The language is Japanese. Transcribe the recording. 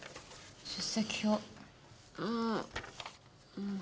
うん。